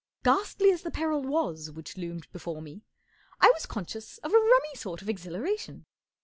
Ghastly as the peril was which loomed before me, I was conscious of a rummy sort of exhilaration.